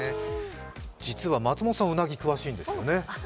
実は松本さん、うなぎ詳しいんですよね。